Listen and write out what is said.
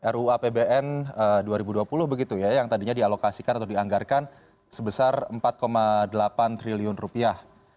ru apbn dua ribu dua puluh begitu ya yang tadinya dialokasikan atau dianggarkan sebesar empat delapan triliun rupiah